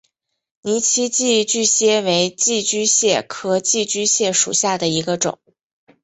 泥栖寄居蟹为寄居蟹科寄居蟹属下的一个种。